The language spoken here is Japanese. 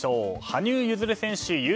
羽生結弦選手